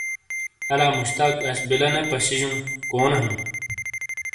الا مشتاق اَش بِیلہ نے پَشِیجُوں، کونے ہَوں؟